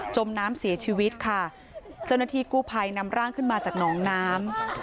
มน้ำเสียชีวิตค่ะเจ้าหน้าที่กู้ภัยนำร่างขึ้นมาจากหนองน้ำ